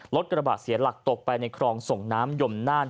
รถกระบะเสียหลักตกไปในคลองส่งน้ำยมน่าน